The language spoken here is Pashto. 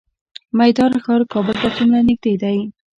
میدان ښار کابل ته څومره نږدې دی؟